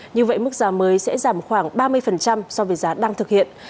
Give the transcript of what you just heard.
như vậy mức giá mới sẽ giảm khoảng ba mươi so với giá đang thực hiện